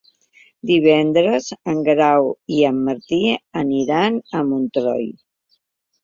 Divendres en Grau i en Martí aniran a Montroi.